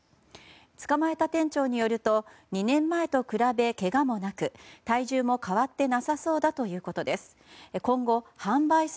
捕まえた店長によると２年前と比べけがもなく、体重も変わってなさそうだということです。